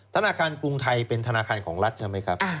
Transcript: ธนาคารกรุงไทยเป็นธนาคารของรัฐใช่ไหมครับ